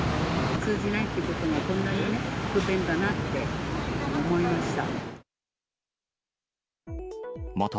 通じないということが、こんなに不便だなって思いました。